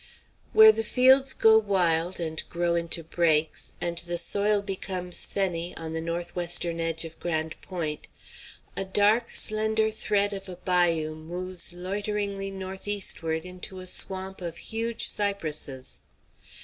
Where the fields go wild and grow into brakes, and the soil becomes fenny, on the north western edge of Grande Pointe, a dark, slender thread of a bayou moves loiteringly north eastward into a swamp of huge cypresses.